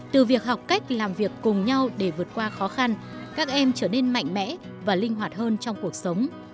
từ việc học cách làm việc cùng nhau để vượt qua khó khăn các em trở nên mạnh mẽ và linh hoạt hơn trong cuộc sống